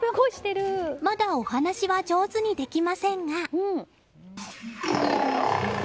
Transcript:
まだお話は上手にできませんが。